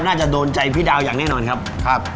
น่าจะโดนใจพี่ดาวอย่างแน่นอนครับ